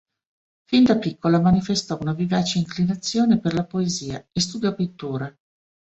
Fin da piccola manifestò una vivace inclinazione per la poesia e studiò pittura.